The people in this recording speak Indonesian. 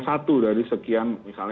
satu dari sekian misalnya